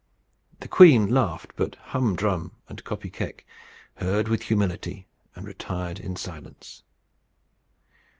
The queen laughed; but Hum Drum and Kopy Keck heard with humility and retired in silence.